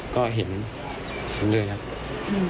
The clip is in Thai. ก็เห็นเลยครับ